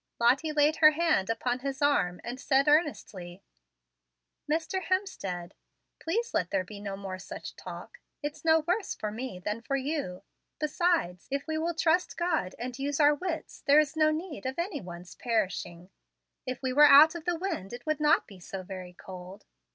Lottie laid her hand upon his arm, and said earnestly; "Mr. Hemstead, please let there be no more such talk. It's no worse for me than for you. Besides, if we will trust God and use our wits, there is no need of any one's perishing. If we were out of the wind it would not be so very cold.